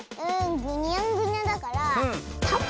ぐにゃんぐにゃだからタコ？